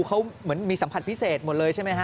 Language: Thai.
เขาเหมือนมีสัมผัสพิเศษหมดเลยใช่ไหมฮ